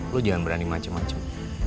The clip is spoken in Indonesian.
lu jangan berani macem macem